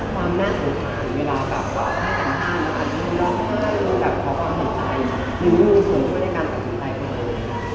ความน่าสงสารเวลากลับกล่าวให้ต่างหรืออาจจะลองให้รู้กับของความสงสารหรือมีรู้สึกว่าได้กันกับความสงสารของคนอื่น